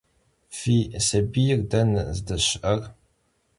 Fi sabiyr dene zdeşı'er?